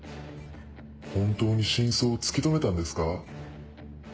本当に真相を突き止めたんですか？